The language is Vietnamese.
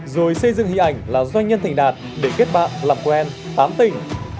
rồi xây dựng hình ảnh là doanh nhân thành đạt để kết bạn làm quen tán tình